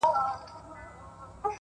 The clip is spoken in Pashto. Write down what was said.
• ستونزې ډېرېده اكثر؛